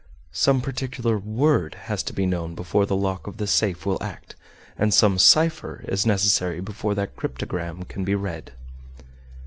Some particular "word" has to be known before the lock of the safe will act, and some "cipher" is necessary before that cryptogram can be read.